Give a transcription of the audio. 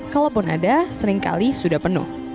kalaupun ada seringkali sudah penuh